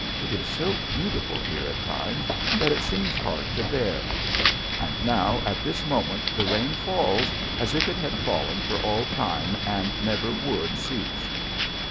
It is so beautiful here at times that it seems hard to bear. And now at this moment the rain falls as if it had fallen for all time and never would cease.